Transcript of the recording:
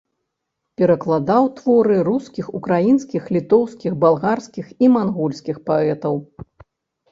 Перакладаў творы рускіх, украінскіх, літоўскіх, балгарскіх і мангольскіх паэтаў.